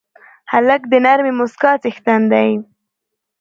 هلک د نرمې موسکا څښتن دی.